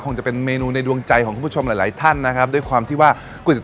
จะเป็นเมนูในดวงใจของคุณผู้ชมหลายหลายท่านนะครับด้วยความที่ว่าก๋วยเตี